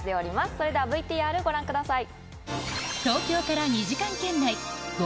それではＶＴＲご覧ください。